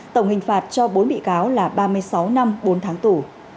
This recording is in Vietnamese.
tổng hình phạt cho bốn bị cáo là ba mươi sáu năm bốn tháng tù